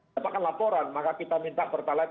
dapatkan laporan maka kita minta pertalite